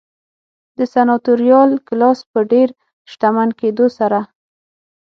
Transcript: د سناتوریال کلاس په ډېر شتمن کېدو سره